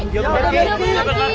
lalu apa yang harus kita lakukan ki